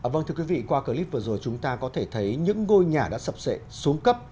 vâng thưa quý vị qua clip vừa rồi chúng ta có thể thấy những ngôi nhà đã sập sệ xuống cấp